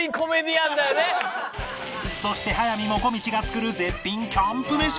そして速水もこみちが作る絶品キャンプ飯も